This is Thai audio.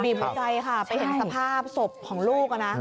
หัวใจค่ะไปเห็นสภาพศพของลูกนะ